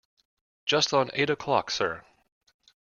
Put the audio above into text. Just on eight o'clock, sir.